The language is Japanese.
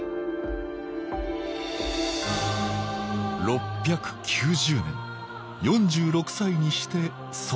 ６９０年４６歳にして即位。